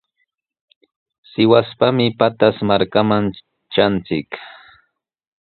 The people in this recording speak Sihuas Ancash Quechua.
Sihuaspami Pataz markaman tranchik.